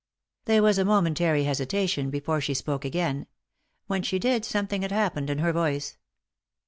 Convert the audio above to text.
There was a momentary hesitation before she spoke again. When she did something had happened to her voice.